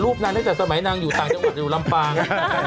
รูปนางได้จากสมัยนางอยู่ต่างจังหวัดอยู่ลำปาง